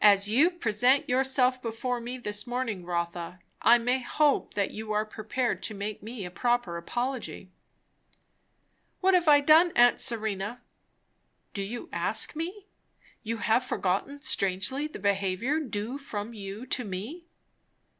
"As you present yourself before me this morning, Rotha, I may hope that you are prepared to make me a proper apology." "What have I done, aunt Serena?" "Do you ask me? You have forgotten strangely the behaviour due from you to me."